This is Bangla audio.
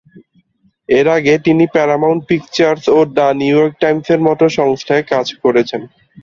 এর আগে তিনি প্যারামাউন্ট পিকচার্স ও "দ্য নিউ ইয়র্ক টাইমস"-এর মতো সংস্থায় কাজ করেছেন।